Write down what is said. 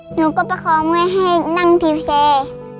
หนูก็ประคอมเงินให้นั่งพิวเช